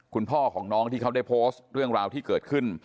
คุณพ่อของน้องที่เขาได้โพสต์เรื่องราวที่เกิดขึ้น